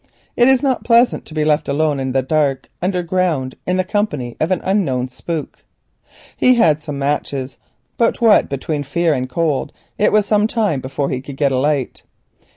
It is not pleasant to be left alone in the dark and underground in the company of an unknown "spook." He had some matches, but what between fear and cold it was some time before he could get a light.